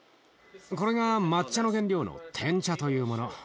これが抹茶の原料のてん茶というもの。